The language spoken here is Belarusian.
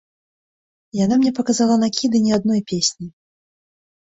Яна мне паказала накіды не адной песні.